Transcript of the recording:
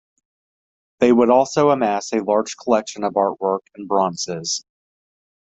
They would also amass a large collection of artwork and bronzes.